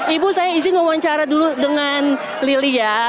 ibu saya izin ngomong cara dulu dengan lili ya